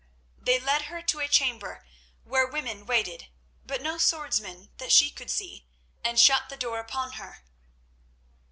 They led her to a chamber where women waited but no swordsman that she could see, and shut the door upon her.